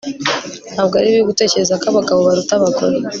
Ntabwo ari bibi gutekereza ko abagabo baruta abagore